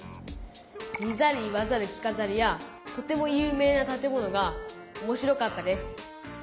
見ざる言わざる聞かざるやとても有名な建物がおもしろかったです。